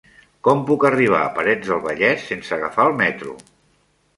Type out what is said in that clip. Com puc arribar a Parets del Vallès sense agafar el metro?